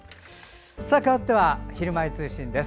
かわっては「ひるまえ通信」です。